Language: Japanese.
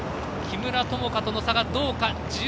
木村友香との差がどうか。